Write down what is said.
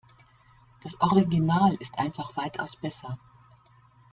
Das Original ist einfach weitaus besser.